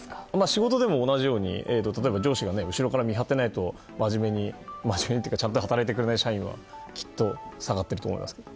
仕事でも同じように、例えば上司が後ろから見張っていないとまじめにというかちゃんと働いてくれない社員はきっと下がっていると思います。